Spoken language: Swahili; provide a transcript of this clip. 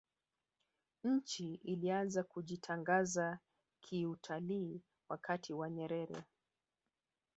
nchi ilianza kujitangaza kiutalii wakati wa nyerere